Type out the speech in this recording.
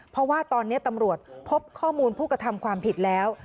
เพราะว่าตอนนี้ตำรวจพบข้อมูลผู้กระทำความผิดแล้ว